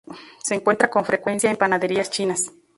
Se encuentra con frecuencia en panaderías chinas.